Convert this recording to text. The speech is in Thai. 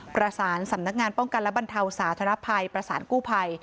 ประสานสำนักงานป้องกันและบรรเทาสาธารณภัยประสานกู้ภัย